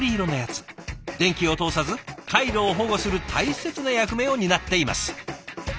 電気を通さず回路を保護する大切な役目を担っています。